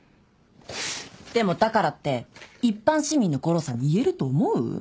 でもだからって一般市民の悟郎さんに言えると思う？